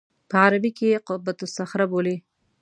په عربي کې یې قبة الصخره بولي.